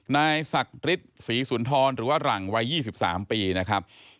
นายศักดิ์ฤทธิ์ศรีสุนทรหรือว่าหลังวัย๒๓ปีนะครับ